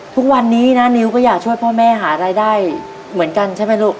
ทุกวันนี้นะนิวก็อยากช่วยพ่อแม่หารายได้เหมือนกันใช่ไหมลูก